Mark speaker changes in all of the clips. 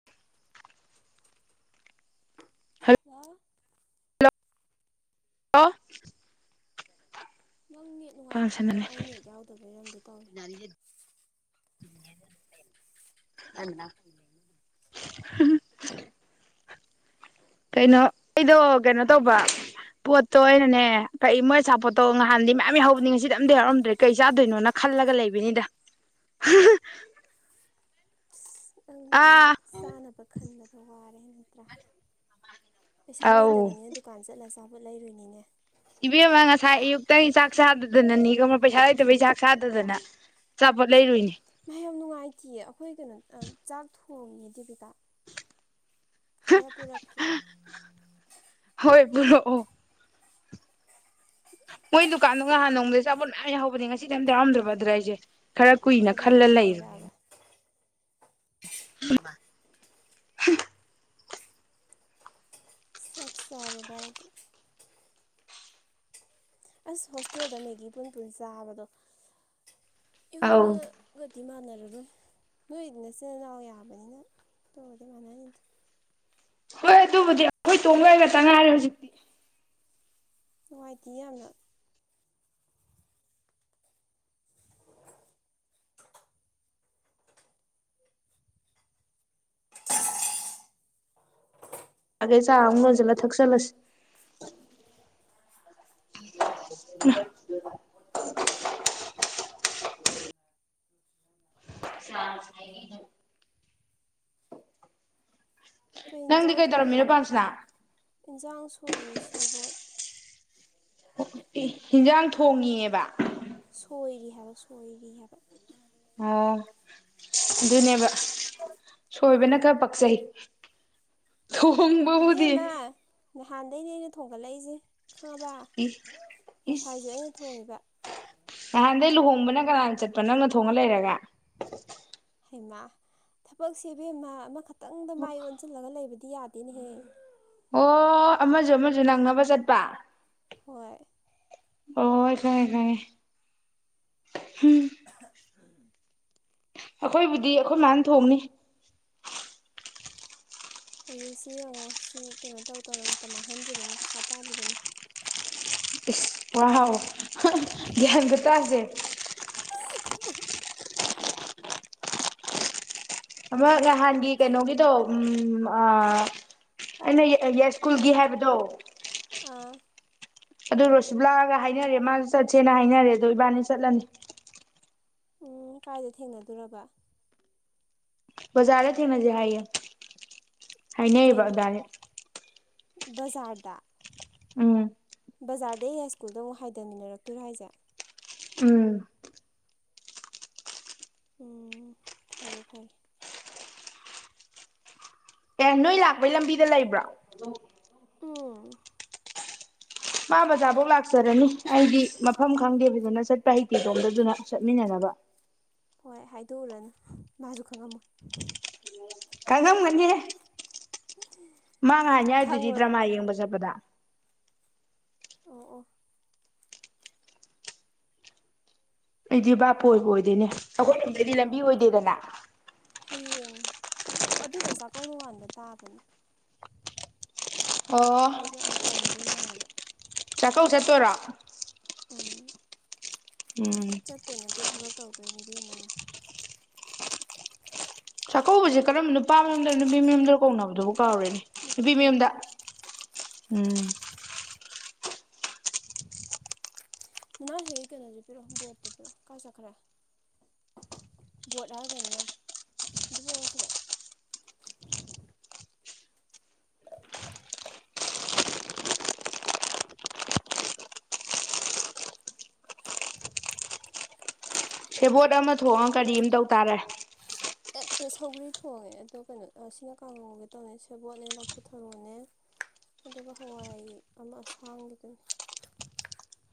Speaker 1: [inaudible]
Speaker 2: ꯍꯥꯜꯂꯣ
Speaker 1: hello
Speaker 2: ꯅꯪ net ꯅꯨꯡꯉꯥꯏꯇ꯭ꯔꯤꯔꯣ ꯑꯩ ꯅꯦꯠ ꯌꯥꯎꯗꯕꯩꯔ ꯑꯃꯗꯤ ꯇꯧꯔꯦ
Speaker 1: ꯆ [inaudible] ꯑ [unintelligible] ꯀꯩꯅꯣ ꯑꯩꯗꯣ ꯀꯩꯅꯣ ꯇꯧꯕ ꯄꯣꯠꯇꯣ ꯑꯣꯏꯅꯅꯦ ꯀꯩ ꯃꯣꯏ ꯁꯥꯞꯄꯣꯔꯠ ꯇꯣ ꯅꯍꯥꯟꯗꯤ ꯃꯌꯥꯝ ꯌꯥꯎꯍꯧꯕꯅꯦ ꯉꯁꯤꯗꯤ ꯑꯝꯇ
Speaker 2: ꯎꯝ
Speaker 1: ꯍꯧꯔꯝꯗ꯭ꯔꯦ ꯀꯩ ꯆꯥꯗꯣꯏꯅꯣꯅ ꯈꯜꯂꯒ ꯂꯩꯕꯩꯅꯤꯗ
Speaker 2: ꯑꯁ ꯅꯪꯗꯤ
Speaker 1: ꯑꯥ
Speaker 2: ꯆꯥꯅꯕ ꯈꯟꯕꯗ ꯋꯥꯔꯦ ꯅꯠꯇ꯭ꯔꯥ ꯄꯩꯁꯥ
Speaker 1: ꯑꯧ
Speaker 2: ꯂꯩꯇꯕꯅꯤ ꯗꯨꯀꯥꯟ ꯆꯠꯂ ꯆꯥꯄꯣꯠ ꯂꯩꯔꯨꯅꯤꯅꯦ
Speaker 1: ꯏꯕꯦꯝꯃ ꯉꯁꯥꯏ ꯑꯌꯨꯛꯇꯩ ꯆꯥꯛ ꯆꯗꯗꯅꯅꯤ ꯄꯩꯁꯥ ꯂꯩꯇꯕꯩ ꯆꯥꯛ ꯆꯥꯗꯗꯅ ꯑꯆꯥꯄꯣꯠ ꯂꯩꯔꯨꯏꯅꯦ
Speaker 2: ꯃꯥ ꯌꯥꯝ ꯅꯨꯡꯉꯥꯏꯇꯦꯌꯦ ꯑꯩꯈꯣꯏ ꯀꯩꯅꯣ ꯆꯥꯛ ꯊꯣꯡꯉꯤꯌꯦ ꯑꯗꯨꯗꯨꯒ ꯈꯔ ꯄꯨꯔꯛꯀꯦ
Speaker 1: ꯍꯣꯏ ꯄꯨꯔꯛꯑꯣ ꯃꯣꯏ ꯗꯨꯀꯥꯟꯗꯣ ꯅꯍꯥꯟ ꯅꯣꯡꯃꯗꯤ ꯑꯆꯥꯄꯣꯠ ꯃꯌꯥꯝ ꯌꯥꯎꯍꯧꯕꯅꯦ ꯉꯁꯤꯗꯤ ꯑꯝꯇ ꯌꯥꯎꯔꯝꯗ꯭ꯔꯕ ꯑꯗꯨꯗ ꯑꯩꯁꯦ ꯈꯔ ꯀꯨꯏꯅ
Speaker 2: ꯀꯔꯤ
Speaker 1: ꯈꯜꯂ
Speaker 2: ꯑꯣꯏꯅ
Speaker 1: ꯂꯩꯔꯦ
Speaker 2: ꯂꯩꯔꯛꯑꯕ
Speaker 1: ꯁꯤꯃ [unintelligible]
Speaker 2: ꯁꯞ ꯆꯥꯔꯦꯕ ꯑꯩꯗꯣ ꯑꯁ ꯍꯣꯁꯇꯦꯜꯗ ꯃꯦꯒꯤ ꯄꯨꯟ ꯄꯨꯟ ꯆꯥꯕꯗꯣ
Speaker 1: ꯑꯧ
Speaker 2: ꯌꯨꯝꯗ ꯀꯗꯤ ꯃꯥꯅꯔꯔꯣꯏ ꯅꯣꯢꯗꯤ ꯅꯆꯤꯟ ꯅꯅꯥꯎ ꯌꯥꯝꯕꯅꯤꯅ ꯑꯗꯨꯕꯨꯗꯤ ꯃꯥꯅꯅꯤꯅꯦ
Speaker 1: ꯍꯣꯏ ꯑꯗꯨꯕꯨꯗꯤ ꯑꯩꯈꯣꯏ ꯇꯣꯡꯕ ꯈꯥꯛꯇ ꯉꯥꯏꯔꯦ ꯍꯧꯖꯤꯛꯇꯤ
Speaker 2: ꯅꯨꯡꯉꯥꯏꯇꯦꯌꯦ ꯌꯥꯝꯅ
Speaker 1: ꯑꯗꯨꯗ ꯆꯥ ꯑꯃꯨꯛ ꯂꯣꯟꯁꯤꯜꯂ ꯊꯛꯆꯜꯂꯁꯤ [unintelligible] ꯁꯅꯥ ꯁꯅꯥꯅ
Speaker 2: ꯀꯩ
Speaker 1: [unintelligible] ꯅꯪꯗꯤ ꯀꯩꯗꯧꯔꯝꯃꯤꯅꯣ ꯄꯥꯟꯁꯅꯥ
Speaker 2: ꯏꯟꯁꯥꯡ ꯁꯣꯏꯔꯤ ꯁꯦꯕꯣꯠ
Speaker 1: ꯍꯟꯖꯥꯡ ꯊꯣꯡꯉꯤꯑꯦꯕ
Speaker 2: ꯁꯣꯏꯔꯤ ꯍꯥꯏꯕ ꯁꯣꯏꯔꯤ ꯍꯥꯏꯕ
Speaker 1: ꯑꯥ ꯑꯗꯨꯅꯦꯕ ꯁꯣꯏꯕꯅ ꯈꯔ ꯄꯛꯆꯩ ꯊꯣꯡꯕꯕꯨꯗꯤ
Speaker 2: ꯏꯕꯦꯝꯃ ꯅꯍꯥꯟꯗꯒꯤꯅꯦ ꯑꯩꯅ ꯊꯣꯡꯒꯠꯂꯛꯏꯁꯦ ꯈꯪꯉꯕ
Speaker 1: ꯏ
Speaker 2: ꯉꯁꯥꯏꯁꯨ
Speaker 1: ꯏꯁ
Speaker 2: ꯑꯩꯅ ꯊꯣꯡꯉꯤꯕ
Speaker 1: ꯅꯍꯥꯟꯗꯩ ꯂꯨꯍꯣꯡꯕꯅ ꯀꯅꯥꯅ ꯆꯠꯄ ꯅꯪꯅ ꯊꯣꯡꯉ ꯂꯩꯔꯒ
Speaker 2: ꯍꯩꯃꯥ ꯊꯕꯛ ꯁꯦ ꯢꯕꯦꯝꯃ ꯑꯃꯈꯛꯇꯪꯗ ꯃꯥꯏ ꯑꯣꯟꯁꯤꯜꯂꯒ ꯂꯩꯕꯗꯤ ꯌꯥꯗꯦꯅꯦꯍꯦ
Speaker 1: ꯑꯣ ꯑꯃꯁꯨ ꯑꯃꯁꯨ ꯅꯪꯅꯕ ꯆꯠꯄ
Speaker 2: ꯍꯣꯏ
Speaker 1: ꯑꯣ ꯍꯣꯢ ꯈꯪꯉꯦ ꯈꯪꯉꯦ ꯑꯩꯈꯣꯏꯕꯨꯗꯤ ꯑꯩꯈꯣꯏ ꯃꯥꯅ ꯊꯣꯡꯅꯤ
Speaker 2: ꯍꯧꯖꯤꯛꯁꯤ ꯌꯦꯡꯉꯣ ꯁꯤ ꯀꯩꯅꯣ ꯇꯧ ꯇꯧꯅ ꯃꯇꯝ ꯃꯥꯡꯍꯟꯗ꯭ꯔꯤꯕꯅꯤ ꯄꯩꯁꯥ ꯇꯥꯜꯂꯤꯕꯅꯤ
Speaker 1: ꯏꯁ ꯋꯥꯎ ꯒꯌꯥꯟ ꯈꯨꯠꯇꯁꯦ
Speaker 2: [unintelligible]
Speaker 1: ꯑꯃ ꯅꯍꯥꯟꯒꯤ ꯀꯩꯅꯣꯒꯤꯗꯣ ꯎ ꯑꯩꯅ ꯌꯥꯏꯁ꯭ꯀꯨꯜꯒꯤ ꯍꯥꯏꯕꯗꯣ
Speaker 2: ꯑꯥ
Speaker 1: ꯑꯗꯨ ꯔꯣꯁꯤꯕꯂꯥꯒ ꯍꯥꯏꯅꯔꯦ ꯃꯥꯁꯨ ꯆꯠꯁꯦꯅ ꯍꯥꯏꯅꯔꯦ ꯑꯗꯣ ꯏꯕꯥꯅꯤ ꯆꯠꯂꯅꯤ
Speaker 2: ꯎꯝ ꯀꯥꯏꯗ ꯊꯦꯡꯅꯗꯨꯢ ꯑꯗꯨꯒ
Speaker 1: ꯕꯖꯥꯔ ꯗꯔ ꯊꯦꯡꯅꯁꯦ ꯍꯥꯢꯌꯦ
Speaker 2: ꯀꯩꯅꯣ ꯕꯖꯥꯔꯗ
Speaker 1: ꯎꯝ
Speaker 2: ꯕꯖꯥꯔꯗꯩ ꯌꯥꯢꯁ꯭ꯀꯨꯜꯗ ꯑꯃꯨꯛ ꯍꯥꯏꯊꯃꯤꯟꯅꯔꯛꯇꯣꯏꯔꯥ ꯍꯥꯏꯁꯦ
Speaker 1: ꯎꯝ
Speaker 2: ꯎꯝ ꯐꯔꯦ ꯐꯔꯦ
Speaker 1: ꯑꯦ ꯅꯣꯏ ꯂꯥꯛꯄꯩ ꯂꯝꯕꯤꯗ ꯂꯩꯕ꯭ꯔꯣ
Speaker 2: ꯎꯝ
Speaker 1: ꯃꯥ ꯕꯖꯥꯔꯐꯧ ꯂꯥꯛꯆꯔꯅꯤ ꯑꯩꯗꯤ ꯃꯐꯝ ꯈꯪꯗꯦ ꯐꯖꯅ ꯆꯠꯄ ꯍꯩꯇꯦ ꯑꯗꯨꯗꯨꯅ ꯆꯠꯃꯤꯟꯅꯅꯕ
Speaker 2: ꯍꯣꯏ ꯍꯥꯏꯗꯣꯛꯎꯔꯅꯤ ꯃꯥꯁꯨ ꯈꯪꯉꯝꯃꯣꯏ
Speaker 1: ꯈꯪꯉꯝꯒꯅꯤꯍꯦ ꯃꯥ ꯅꯍꯥꯟ ꯌꯥꯎꯔꯤꯗꯨꯗꯤ
Speaker 2: ꯈꯪꯉꯨꯔꯅꯨ
Speaker 1: ꯗ꯭ꯔꯃꯥ ꯌꯦꯡꯕ ꯆꯠꯄꯗ
Speaker 2: ꯑꯣ ꯑꯣ
Speaker 1: ꯑꯩ ꯗꯤ ꯕꯥꯄꯨ ꯑꯣꯏꯕꯨ ꯑꯣꯏꯗꯦꯅꯦ ꯑꯩꯈꯣꯏ ꯔꯣꯝꯗꯒꯤ ꯂꯝꯕꯤ ꯑꯣꯏꯗꯦꯗꯅ
Speaker 2: ꯍꯌꯦꯡ ꯑꯣ ꯑꯗꯨꯗꯣ ꯆꯥꯛꯀꯧ ꯅꯣꯡꯉꯥꯟꯕ ꯇꯥꯕꯅꯦ
Speaker 1: ꯑꯣ
Speaker 2: ꯑꯩꯗꯣ ꯌꯥꯝ ꯇꯟꯗꯣꯏ ꯃꯥꯜꯂꯕ
Speaker 1: ꯆꯥꯛꯀꯧ ꯆꯠꯇꯣꯢꯔꯦ
Speaker 2: ꯎꯝ
Speaker 1: ꯎꯝ
Speaker 2: ꯆꯠꯇꯣꯏ ꯅꯠꯇꯦ ꯊꯕꯛ ꯇꯧꯗꯣꯏꯅꯤ ꯢꯕꯦꯝꯃꯥ
Speaker 1: ꯆꯥꯛꯀꯧꯕꯁꯦ ꯀꯔꯝꯕ ꯅꯨꯄꯥ ꯃꯌꯨꯝꯗꯔ ꯅꯨꯄꯤ ꯃꯌꯨꯝꯗꯔ ꯀꯧꯅꯕꯗꯨꯕꯨ ꯀꯥꯎꯔꯦꯅꯦ ꯅꯨꯄꯤ ꯃꯌꯨꯝꯗ ꯎꯝ
Speaker 2: ꯅꯪ ꯍꯧꯖꯤꯛ ꯀꯩꯅꯣꯗꯣ ꯄꯤꯔꯛꯑꯣ ꯕꯣꯔꯠꯇꯣ ꯄꯤꯔꯛꯑꯣ ꯀꯥꯏ ꯆꯠꯈ꯭ꯔꯦ ꯕꯣꯔꯠ ꯍꯥꯢꯔꯒꯅꯦ ꯀꯩꯅꯣ ꯃꯥꯜ ꯑꯗꯨꯕꯣꯔ [unintelligible] ꯁꯤꯗ
Speaker 1: ꯁꯦꯕꯣꯠ ꯑꯃ ꯊꯣꯛꯑꯒ ꯀꯔꯤ ꯑꯃ ꯇꯧ ꯇꯥꯔꯦ
Speaker 2: ꯑꯦꯠ ꯁꯧꯒ꯭ꯔꯤ ꯊꯣꯡꯉꯦ ꯑꯗꯣ ꯀꯩꯅꯣ ꯁꯤꯅ ꯀꯥꯡꯍꯧ ꯉꯧꯒꯦ ꯇꯧꯅꯦ ꯁꯦꯕꯣꯠꯅꯦ ꯂꯐꯨꯊꯔꯣꯅꯦ ꯑꯗꯨꯒ ꯍꯋꯥꯏ ꯑꯃ ꯑꯁꯥꯡꯒꯤꯗꯨꯅꯤ꯫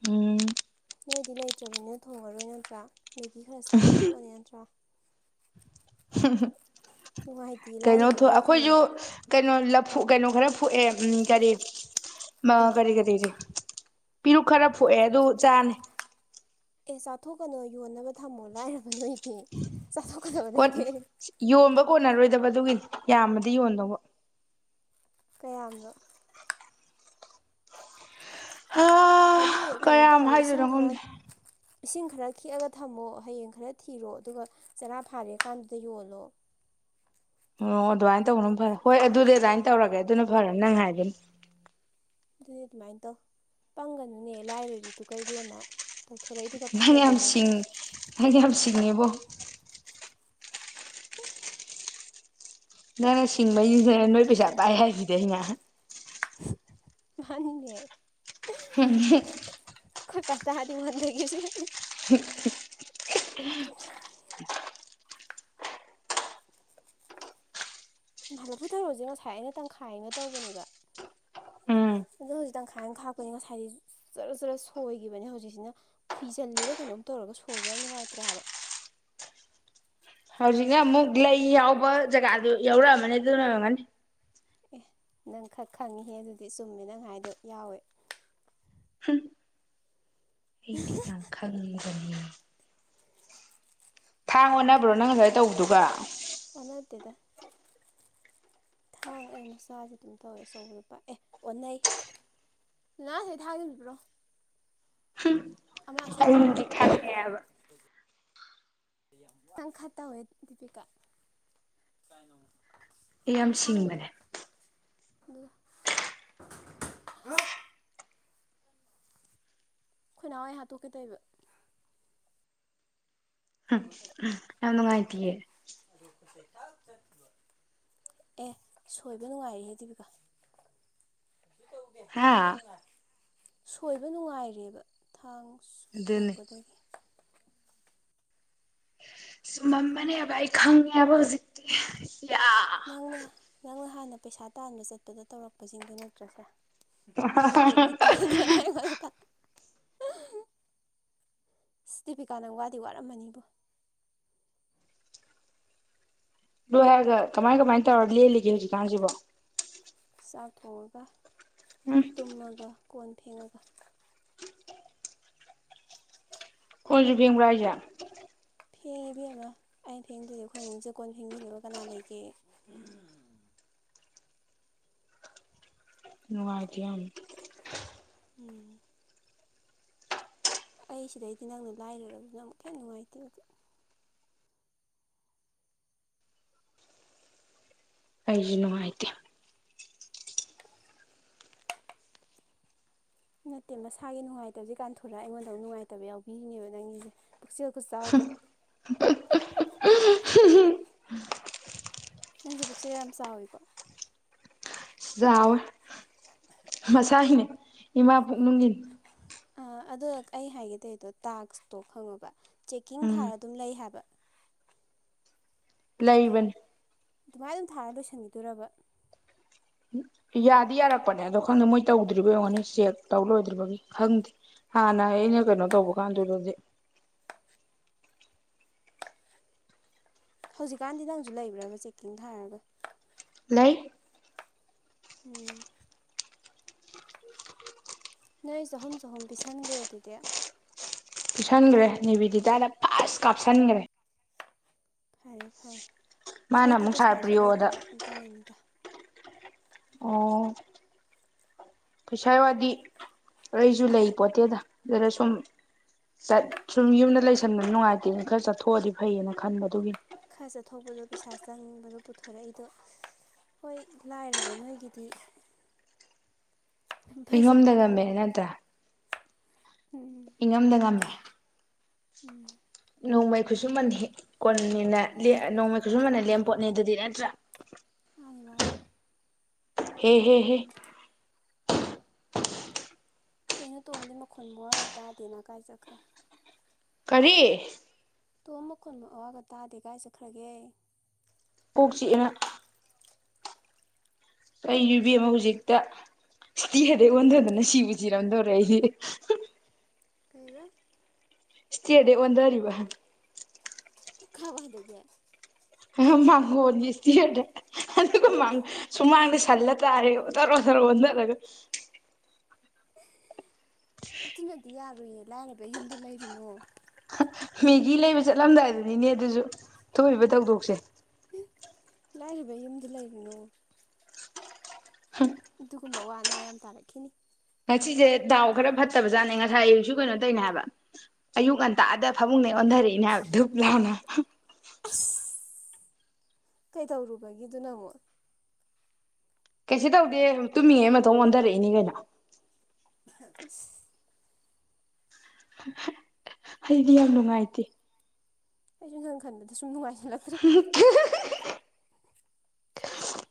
Speaker 1: ꯎꯝ
Speaker 2: ꯅꯣꯏꯗꯤ ꯂꯩꯇ꯭ꯔꯕꯅꯤꯅ ꯊꯣꯡꯉꯔꯣꯏ ꯅꯠꯇ꯭ꯔꯥ ꯃꯦꯒꯤ ꯈꯔ ꯆꯥꯔ ꯇꯣꯛꯑꯅꯤ ꯅꯠꯇ꯭ꯔꯥ꯫ ꯅꯨꯡꯉꯥꯏꯇꯦ
Speaker 1: ꯀꯩꯅꯣ ꯊꯣꯛ
Speaker 2: ꯂꯥꯏꯔꯕꯈꯩꯒꯤ
Speaker 1: ꯑꯩꯈꯣꯏꯁꯨ
Speaker 2: ꯈꯟꯕꯗ
Speaker 1: ꯀꯩ ꯀꯩꯅꯣ ꯂꯐꯨ ꯀꯩꯅꯣ ꯈꯔ ꯐꯨꯑꯦ ꯎꯝ ꯑ ꯀꯔꯤ ꯀꯔꯤ ꯀꯔꯤ ꯄꯤꯔꯨꯛ ꯈꯔ ꯐꯣꯛꯑꯦ ꯑꯗꯨ ꯆꯥꯅꯤ
Speaker 2: ꯑꯦ ꯆꯥꯊꯣꯛꯀꯅꯣ ꯌꯣꯟꯅꯕ ꯊꯝꯃꯣ ꯂꯥꯏꯔꯕ ꯅꯣꯏꯗꯤ ꯆꯥꯊꯣꯛꯀꯗꯕ ꯅꯠꯇꯦ꯫
Speaker 1: ꯌꯣꯟꯕ ꯀꯣꯟꯅꯔꯣꯏꯗꯕ ꯑꯗꯨꯒꯤꯗꯤ ꯌꯥꯝꯃꯗꯤ ꯌꯣꯟꯗꯧꯕ꯫
Speaker 2: ꯀꯌꯥꯝꯅꯣ꯫
Speaker 1: ꯍꯥ
Speaker 2: ꯑꯗꯨ ꯀꯩꯅꯣ
Speaker 1: ꯀꯌꯥꯝ
Speaker 2: ꯇꯧꯔꯒ ꯏꯁꯤꯡ
Speaker 1: ꯍꯥꯏꯗꯣꯏꯅꯣ
Speaker 2: ꯈꯔ
Speaker 1: ꯈꯪꯗꯦ
Speaker 2: ꯏꯁꯤꯡ ꯈꯔ ꯈꯤꯛꯑꯒ ꯊꯝꯃꯣ ꯍꯌꯦꯡ ꯈꯔ ꯊꯤꯔꯣ ꯑꯗꯨꯒ꯫ ꯆꯅꯥ ꯊꯥꯔꯦ ꯀꯥꯟꯗꯨꯗ ꯌꯣꯜꯂꯣ꯫
Speaker 1: ꯑꯣ ꯑꯗꯨꯃꯥꯏꯅ ꯇꯧꯕꯅ ꯐꯔꯦ ꯍꯣꯏ ꯑꯗꯨꯗꯤ ꯑꯗꯨꯃꯥꯏꯅ ꯇꯧꯔꯒꯦ ꯑꯗꯨꯅ ꯐꯔꯅꯤ ꯅꯪ ꯍꯥꯏꯕꯗꯨꯅ
Speaker 2: ꯑꯗꯨꯗꯤ ꯑꯗꯨꯃꯥꯏꯅ ꯇꯧ ꯄꯪꯒꯅꯨꯅꯦ ꯂꯥꯏꯔꯥꯔꯤꯗꯨ ꯏꯕꯦꯝꯃꯥ꯫ ꯄꯣꯛꯊꯣꯔꯛꯏꯗꯨ ꯄꯥꯛꯆꯗꯦꯅꯦ꯫
Speaker 1: ꯅꯣꯏꯗꯤ ꯌꯥꯝ ꯁꯤꯡꯉꯦꯕꯣ꯫ ꯅꯪꯅ ꯁꯤꯡꯕꯩꯅꯤꯅ ꯅꯣꯏ ꯄꯩꯁꯥ ꯄꯥꯏ ꯍꯥꯏꯁꯤꯗ ꯑꯩꯅ
Speaker 2: ꯃꯥꯅꯤꯅꯦ꯫ ꯑꯩꯈꯣꯏ ꯄꯥ ꯇꯔꯥꯗꯤ ꯋꯥꯟꯗꯒꯤꯕꯁꯨ ꯌꯥꯏ꯫
Speaker 1: [unintelligible] [unintelligible]
Speaker 2: ꯂꯐꯨꯊꯧꯔꯣꯁꯦ ꯉꯁꯥꯏ ꯑꯩꯅ ꯇꯪꯈꯥꯏꯩꯅ ꯇꯧꯕꯅꯦꯕ꯫
Speaker 1: ꯎꯝ
Speaker 2: ꯑꯗꯣ ꯍꯧꯖꯤꯛ ꯇꯪꯈꯥꯏ ꯑꯃ ꯈꯥꯛꯄꯅꯤ ꯉꯁꯥꯏꯗꯤ ꯖꯔ ꯖꯔ ꯁꯣꯏꯈꯤꯕꯅꯦ ꯍꯧꯖꯤꯛꯁꯤꯅ꯫ ꯈꯨꯏꯖꯤꯜꯂꯤꯔ ꯀꯩꯅꯣꯝ ꯇꯧꯔꯒ ꯁꯣꯏꯕ ꯌꯥꯝ ꯅꯨꯡꯉꯥꯏꯇ꯭ꯔꯦ ꯍꯥꯏꯕ꯫
Speaker 1: ꯍꯧꯖꯤꯛꯅ ꯑꯃꯨꯛ ꯂꯩ ꯌꯥꯎꯕ ꯖꯒꯥꯗꯨ ꯌꯧꯔꯛꯑꯃꯅꯤ ꯑꯗꯨ ꯑꯣꯏꯔꯝꯒꯅꯤ꯫
Speaker 2: ꯑꯦ ꯅꯪ ꯈꯔ ꯈꯪꯉꯤꯍꯦ ꯑꯗꯨꯗꯤ ꯆꯨꯝꯃꯦ ꯅꯪ ꯍꯥꯏꯥꯏꯗꯣ ꯌꯥꯎꯋꯦ꯫
Speaker 1: ꯑꯩꯗꯤ ꯌꯥꯝ ꯈꯪꯡꯕꯅꯤ꯫ ꯊꯥꯡ ꯑꯣꯟꯅꯕ꯭ꯔꯣ ꯅꯪ ꯉꯁꯥꯏ ꯇꯧꯕꯗꯨꯒ꯫
Speaker 2: ꯑꯣꯟꯅꯗꯦꯗ꯫ ꯊꯥꯡ ꯑꯩ ꯃꯆꯥꯖꯦ ꯑꯗꯨꯝ ꯇꯧꯋꯦ ꯑꯆꯧꯕꯗ ꯄꯥ ꯑꯦ ꯑꯣꯟꯅꯩ꯫ ꯅ ꯑꯁꯤ ꯊꯥꯡꯖꯦ ꯑꯝꯇ ꯄꯤꯔꯝꯑꯣ꯫
Speaker 1: ꯍꯨꯝ꯫
Speaker 2: ꯑꯃ ꯑꯁꯥꯡꯕꯗꯣ꯫ ꯅꯪ ꯈꯥ ꯇꯧꯋꯦ ꯗꯤꯄꯤꯀꯥ꯫ ꯀꯥꯏꯅꯣ꯫
Speaker 1: ꯑꯩ ꯌꯥꯝ
Speaker 2: ꯑꯁꯥꯡꯕꯗꯣ
Speaker 1: ꯁꯤꯡꯕꯅꯦ
Speaker 2: ꯑꯗꯨꯗꯣ꯫ ꯈꯣꯏꯅꯥꯎ ꯑꯩ ꯍꯥꯠꯇꯣꯛꯀꯦ ꯇꯩꯔꯤꯕ꯫
Speaker 1: ꯎꯝ ꯌꯥꯝ ꯅꯨꯡꯉꯥꯏꯇꯤꯑꯦ꯫
Speaker 2: ꯑꯦ ꯁꯣꯏꯕ ꯅꯨꯡꯉꯥꯏꯔꯤꯌꯦ ꯗꯤꯕꯤꯀꯥ꯫ ꯀꯩꯁꯨꯇꯧꯗꯦ꯫
Speaker 1: ꯍꯥꯥ꯫
Speaker 2: ꯁꯣꯏꯕ ꯅꯨꯡꯉꯥꯏꯔꯦꯕ ꯊꯥꯡ ꯁꯨꯝ
Speaker 1: ꯑꯗꯨꯅꯦ
Speaker 2: ꯊꯣꯛꯄꯗꯒꯤ꯫
Speaker 1: ꯆꯨꯝꯃꯝꯕꯅꯦꯕ ꯑꯩ ꯈꯪꯉꯦꯕ ꯍꯧꯖꯤꯛꯇꯤ ꯌꯥ꯫
Speaker 2: ꯅꯪꯅ ꯅꯪꯅ ꯍꯥꯟꯅ ꯄꯩꯁꯥ ꯇꯥꯟꯕ ꯆꯠꯄꯗ ꯇꯧꯔꯛꯄꯁꯤꯡꯗꯨ ꯅꯠꯇ꯭ꯔꯁꯦ꯫ ꯗꯨꯒꯤ ꯇꯦꯛ ꯅꯤꯛ ꯇꯣ ꯅꯠꯇꯔ ꯁꯤ ꯗꯦꯕꯤꯀꯥꯅꯪ ꯋꯥꯗꯤ ꯋꯥꯔꯝꯃꯅꯤꯕꯣ꯫
Speaker 1: ꯂꯣꯏ ꯍꯥꯏꯔꯒ ꯀꯃꯥꯏ ꯀꯃꯥꯏꯅ ꯇꯧꯔ ꯂꯦꯜꯂꯤꯒꯦ ꯍꯧꯖꯤꯛꯀꯥꯟꯁꯤꯕꯣ꯫
Speaker 2: ꯆꯥꯛꯊꯣꯡꯉꯒ꯫
Speaker 1: ꯎꯝ꯫
Speaker 2: ꯇꯨꯝꯃꯒ ꯀꯣꯟ ꯐꯦꯡꯉꯒ꯫
Speaker 1: ꯀꯣꯟꯖꯨ ꯐꯦꯡꯕ꯭ꯔ ꯍꯥꯏꯖꯦ꯫
Speaker 2: ꯐꯦꯡꯉꯦ ꯏꯕꯦꯝꯕ ꯑꯩꯅ ꯐꯦꯡꯗ꯭ꯔꯗꯤ ꯑꯩꯈꯣꯏ ꯑꯃꯨꯛꯖꯦ ꯀꯣꯟ ꯐꯦꯡꯕꯤꯅꯕ ꯀꯅꯥ ꯂꯩꯒꯦ꯫
Speaker 1: ꯅꯨꯡꯉꯥꯏꯇꯦ ꯌꯥꯝ꯫
Speaker 2: ꯎꯝ꯫ ꯑꯩ ꯁꯤꯗꯩꯗꯤ ꯅꯪꯅ ꯂꯥꯏꯔꯔꯕꯗꯨꯅ ꯑꯃꯨꯛꯀ ꯍꯦꯟꯅ ꯅꯨꯡꯉꯥꯏꯇꯦ ꯑꯩꯗꯤ꯫
Speaker 1: ꯑꯩꯖꯨ ꯅꯨꯉꯥꯏꯇꯦ꯫
Speaker 2: ꯅꯠꯇꯦ ꯃꯁꯥꯒꯤ ꯅꯨꯡꯉꯥꯏꯇꯁꯦ ꯀꯥꯟꯊꯣꯔꯨꯔ ꯑꯩꯉꯣꯟꯗ ꯅꯨꯡꯉꯥꯏꯇꯕ ꯌꯥꯎꯕꯤꯔꯤꯅꯦꯕ ꯅꯪꯒꯤꯁꯦ꯫ ꯄꯨꯛꯆꯦꯜ ꯈꯨꯆꯥꯎꯗꯣ꯫ ꯅꯪꯖꯦ ꯄꯨꯛꯆꯦꯜ ꯌꯥꯝ ꯆꯥꯎꯋꯤꯀꯣ꯫
Speaker 1: ꯆꯥꯎꯋꯦ ꯃꯁꯥꯒꯤꯅꯦ ꯏꯃꯥ ꯄꯨꯛꯅꯨꯡꯒꯤꯅꯦ꯫
Speaker 2: ꯑ ꯑꯗꯣ ꯑꯩ ꯍꯥꯏꯒꯦꯇꯩꯗꯣ ꯇꯥꯛꯁꯇꯣ ꯈꯪꯉꯕ ꯆꯦꯛꯀꯤꯡ ꯊꯥꯔ
Speaker 1: ꯎꯝ
Speaker 2: ꯑꯗꯨꯝ ꯂꯩ ꯍꯥꯏꯕ꯫
Speaker 1: ꯂꯩꯕꯅꯤ꯫
Speaker 2: ꯑꯗꯨꯃꯥꯏꯅ ꯑꯗꯨꯝ ꯊꯥꯔ ꯂꯣꯏꯁꯤꯟꯈꯤꯗꯣꯏꯔꯕ꯫
Speaker 1: ꯌꯥꯗꯤ ꯌꯥꯔꯛꯄꯅꯦ ꯑꯗꯣ ꯈꯪꯗꯦ ꯃꯣꯏ ꯇꯧꯗꯔꯤꯕ ꯑꯣꯏꯔꯝꯒꯅꯤ ꯆꯦꯛ ꯇꯧ ꯂꯣꯏꯗ꯭ꯔꯤꯕꯒꯤ ꯈꯪꯗꯦ꯫ ꯍꯥꯟꯅ ꯑꯩꯅ ꯀꯩꯅꯣ ꯇꯧꯕ ꯀꯥꯟꯗꯨꯗꯗꯤ
Speaker 2: ꯍꯧꯖꯤꯛꯀꯥꯟꯗꯤ ꯅꯪꯁꯨ ꯂꯩꯕ꯭ꯔꯕ ꯆꯦꯛꯀꯤꯡ ꯊꯥꯔꯒ꯫
Speaker 1: ꯂꯩ꯫
Speaker 2: ꯎꯝ꯫ ꯅꯣꯏ ꯆꯍꯨꯝ ꯆꯍꯨꯝ ꯄꯤꯁꯟꯒꯔꯦ ꯑꯗꯨꯗꯤ꯫
Speaker 1: ꯄꯤꯁꯥꯟꯈ꯭ꯔꯦ ꯅꯦꯕꯤꯗꯤꯇꯥꯗ ꯐꯥꯁ ꯀꯥꯞꯁꯤꯟꯈ꯭ꯔꯦ꯫
Speaker 2: ꯐꯔꯦ ꯐꯔꯦ
Speaker 1: ꯃꯥꯅ
Speaker 2: ꯑꯩꯗꯤ
Speaker 1: ꯑꯃꯨꯛ ꯁꯥꯔ
Speaker 2: ꯄꯩꯁꯥꯁꯨ
Speaker 1: ꯄ꯭ꯔꯤꯌꯣꯗ
Speaker 2: ꯂꯩꯇꯕ ꯑꯗꯨꯅꯅꯤꯗ꯫
Speaker 1: ꯑꯣ꯫ ꯄꯩꯁꯥ ꯋꯥꯗꯤ ꯑꯩꯁꯨ ꯂꯩ ꯄꯣꯠꯇꯦꯗ ꯑꯗꯨꯗ ꯁꯨꯝ꯫ ꯆꯠ ꯁꯨꯝ ꯌꯨꯝꯗ ꯂꯩꯁꯟꯕꯗ ꯅꯨꯡꯉꯥꯏꯇꯦꯗ ꯈꯔ ꯆꯠꯊꯣꯛꯑꯗꯤ ꯐꯩꯌꯦꯅ ꯈꯟꯕ ꯑꯗꯨꯒꯤ꯫
Speaker 2: ꯈꯔ ꯆꯠꯊꯣꯛꯄꯗꯣ ꯄꯩꯁꯥ ꯆꯪꯕꯗꯣ ꯄꯨꯊꯣꯔꯛꯏꯗꯣ꯫ ꯍꯣꯏ ꯂꯥꯏꯔꯕ ꯅꯣꯏꯒꯤꯗꯤ꯫
Speaker 1: ꯏꯉꯝꯗ
Speaker 2: ꯐꯚꯥꯖꯍꯨꯝꯗꯣ
Speaker 1: ꯉꯝꯃꯦ ꯏꯪꯉꯝꯗ ꯉꯝꯃꯦ
Speaker 2: ꯎꯝ
Speaker 1: ꯅꯣꯡꯃꯩ ꯈꯨꯠꯁꯨꯃꯟꯦꯛ ꯀꯣꯟꯅꯤꯅ ꯅꯣꯡꯃꯩ ꯈꯨꯠꯁꯨꯃꯟꯅ ꯂꯦꯝꯄꯣꯠꯅꯦ ꯑꯗꯨꯗꯤ ꯅꯠꯇ꯭ꯔꯥ
Speaker 2: ꯃꯥꯅꯤ ꯃꯥꯅꯤ
Speaker 1: ꯍꯦ ꯍꯦ ꯍꯦ
Speaker 2: ꯀꯩꯅꯣ ꯇꯣꯝꯗꯤ ꯃꯈꯣꯟ ꯃꯋꯥꯒ ꯇꯥꯗꯦꯅ ꯀꯥꯏꯆꯥꯠꯈ꯭ꯔꯦ
Speaker 1: ꯀꯔꯤ
Speaker 2: ꯇꯣꯝ ꯃꯀꯣꯟ ꯃꯋꯥꯒ ꯇꯥꯗꯦ ꯀꯥꯏ ꯆꯠꯈ꯭ꯔꯒꯦ
Speaker 1: ꯀꯣꯛ ꯆꯤꯛꯑꯅ ꯑꯩꯁꯨ ꯏꯕꯦꯝꯃꯥ ꯍꯧꯖꯤꯛꯇ ꯏꯁꯇꯤꯌꯔꯗꯩ ꯑꯣꯟꯊꯗꯅ ꯁꯤꯕꯨ ꯁꯤꯔꯝꯗꯧꯔꯦ ꯑꯩꯗꯤ
Speaker 2: ꯀꯩꯕ
Speaker 1: ꯁꯇ꯭ꯔꯥꯏꯔ ꯗꯥꯒꯤ ꯑꯣꯟꯗꯔꯤꯕꯥ
Speaker 2: ꯈꯥꯕ ꯍꯥꯏꯗꯕꯤ
Speaker 1: ꯃꯥꯡꯒꯣꯟꯒꯤ ꯁꯇ꯭ꯔ꯭ꯥꯏꯔ ꯑꯗꯨꯒ ꯁꯨꯃꯥꯡꯗ ꯁꯜꯂ ꯇꯥꯔꯤꯕꯥ ꯇ꯭ꯔꯣ ꯇ꯭ꯔꯣ ꯑꯣꯟꯊꯔꯒ
Speaker 2: ꯑꯗꯨꯅꯗꯤ ꯌꯥꯔꯣꯢꯌꯦ ꯂꯥꯏꯔꯕꯩ ꯌꯨꯝꯗ ꯂꯩꯔꯨꯅꯣ
Speaker 1: ꯃꯦꯒꯤ ꯂꯩꯕ ꯆꯠꯂꯝꯗꯥꯏꯗꯨꯅꯤꯅꯦ ꯑꯗꯨꯁꯨ ꯊꯣꯛꯏꯕ ꯊꯧꯗꯣꯛꯁꯦ
Speaker 2: ꯂꯥꯏꯔꯕꯩ ꯌꯨꯝꯗ ꯂꯩꯔꯨꯅꯣ ꯑꯗꯨꯒꯨꯝꯕ ꯑꯋꯥ ꯑꯅ ꯌꯥꯝ ꯇꯥꯔꯛꯈꯤꯅꯤ
Speaker 1: ꯉꯁꯤꯁꯦ ꯗꯥꯎ ꯈꯔ ꯐꯠꯇꯕꯖꯥꯠꯅꯦ ꯉꯁꯥꯏ ꯑꯌꯨꯛꯁꯨ ꯀꯩꯅꯣ ꯇꯧꯔꯤꯅꯦ ꯍꯥꯏꯕ ꯑꯌꯨꯛ ꯉꯟꯇꯥꯛꯗ ꯐꯃꯨꯡꯗꯩ ꯑꯣꯟꯊꯔꯛꯏꯅꯦ ꯍꯥꯏꯕ ꯙꯨꯞ ꯂꯧꯅꯥ
Speaker 2: ꯀꯩꯗꯧꯔꯨꯕꯒꯤ ꯑꯗꯨꯅ ꯑꯃꯨꯛ
Speaker 1: ꯀꯩꯁꯨ ꯇꯧꯗꯦ ꯇꯨꯝꯃꯤꯉꯩ ꯃꯇꯣꯝ ꯑꯣꯟꯊꯔꯛꯏꯅꯤ ꯀꯩꯅꯣ
Speaker 2: ꯢꯁ
Speaker 1: ꯑꯩꯗꯤ ꯌꯥꯝ ꯅꯨꯡꯉꯥꯏꯇꯦ
Speaker 2: ꯑꯩꯗꯤ ꯅꯪꯒꯤ ꯈꯟꯗꯕ ꯁꯨꯝ ꯅꯨꯡꯉꯥꯏꯁꯤꯜꯂꯛꯇ꯭ꯔꯦ
Speaker 1: ꯍ [unintelligible]
Speaker 2: ꯑꯣ [inaudible]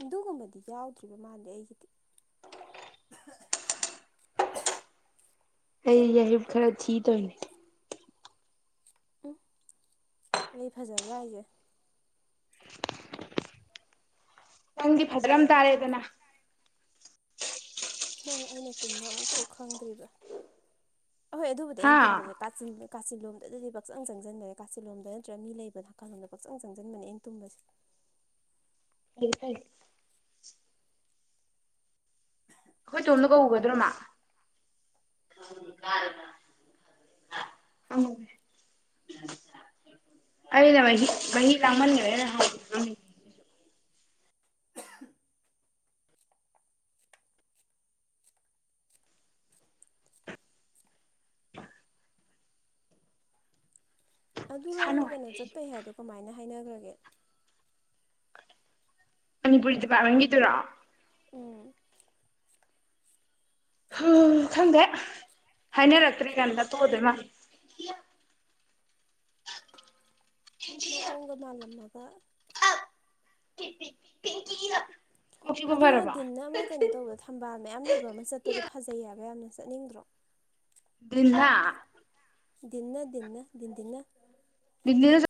Speaker 2: ꯑꯗꯨꯒꯨꯝꯕꯗꯤ ꯌꯥꯎꯗ꯭ꯔꯤꯕ ꯃꯥꯜꯂꯦ ꯑꯩꯒꯤꯗꯤ
Speaker 1: ꯑꯩ ꯌꯥꯍꯤꯞ ꯈꯔ ꯊꯤ ꯇꯧꯔꯤꯅꯦ
Speaker 2: ꯂꯩ ꯐꯖꯕ꯭ꯔꯥ ꯍꯥꯢꯁꯦ
Speaker 1: ꯅꯪꯗꯤ ꯐꯖ꯭ꯔꯝ ꯇꯥꯔꯦꯗꯅ
Speaker 2: ꯅꯪ ꯑꯩꯅ ꯇꯨꯝꯕ ꯑꯃꯨꯛꯐꯥꯎ ꯈꯪꯗ꯭ꯔꯤꯕ ꯑꯍꯣꯏ ꯑꯗꯨꯕꯨꯗꯤ
Speaker 1: ꯍꯥ
Speaker 2: ꯑꯩꯅ ꯇꯨꯝꯕꯅꯤ ꯀꯥꯆꯤꯟ ꯀꯥꯆꯤꯟꯂꯣꯝꯗꯗꯤ ꯄꯥꯛꯆꯪ ꯆꯪꯁꯤꯟꯕꯅꯦ ꯀꯥꯆꯤꯟꯂꯣꯝꯗ ꯅꯠꯇꯔꯒ ꯃꯤ ꯂꯩꯕ ꯅꯥꯀꯜꯂꯣꯝꯗ ꯄꯛꯆꯪ ꯆꯪꯁꯤꯟꯕꯅꯦ ꯑꯩꯅ ꯇꯨꯝꯕꯁꯦ
Speaker 1: ꯍ ꯐ [unintelligible]
Speaker 2: ꯍ [inaudible]
Speaker 1: ꯑꯩꯈꯣꯏ ꯇꯣꯝꯗꯣ ꯀꯧꯎꯒꯗ꯭ꯔꯣ ꯃꯥ [unintelligible] ꯑꯩꯅ ꯃꯥꯍꯤ ꯂꯥꯡꯃꯥꯟꯈꯔꯦꯅ [unintelligible] [inaudible]
Speaker 2: ꯑꯗꯨ
Speaker 1: ꯏꯁꯥ
Speaker 2: ꯅꯣꯢ ꯀꯩꯅꯣ
Speaker 1: ꯅꯨꯡꯉꯥꯏꯇꯦ ꯑꯩꯁꯨ
Speaker 2: ꯆꯠꯄꯩ ꯍꯥꯏꯗꯣ ꯀꯃꯥꯏꯅ ꯍꯥꯏꯅꯈ꯭ꯔꯒꯦ
Speaker 1: ꯃꯅꯤꯄꯨꯔꯤ ꯗꯤꯄꯥꯔꯠꯃꯦꯟ ꯒꯤꯗꯨꯔꯣ
Speaker 2: ꯎꯝ
Speaker 1: ꯎꯝ ꯈꯪꯗꯦ ꯍꯥꯏꯅꯔꯛꯇ꯭ꯔꯤ ꯀꯥꯟꯗ ꯇꯣꯛꯑꯗꯧ ꯃꯥꯜꯂꯦ [inaudible]
Speaker 2: ꯃꯑꯣꯡ ꯒꯥ ꯃꯥꯂꯝꯃꯒ
Speaker 1: [unintelligible] ꯆꯤꯛꯄ
Speaker 2: ꯑꯗꯨ ꯍꯥꯢꯅ
Speaker 1: ꯐꯔꯕꯣ
Speaker 2: ꯗꯤꯟꯅ ꯑꯃ ꯀꯩꯅꯣ ꯇꯧꯕꯗꯣ ꯊꯝꯕꯥꯜ ꯃꯌꯥꯝ ꯂꯩꯕ ꯑꯃ ꯆꯠꯄꯗꯣ ꯐꯖꯩꯌꯦꯕ ꯌꯥꯝꯅ ꯆꯠꯅꯤꯡꯗ꯭ꯔꯣ
Speaker 1: ꯂꯤꯜꯍꯥ
Speaker 2: ꯗꯤꯟꯅ ꯗꯤꯟꯅ ꯗꯤꯟꯗꯤꯟꯅ
Speaker 1: [unintelligible]